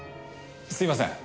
すいません。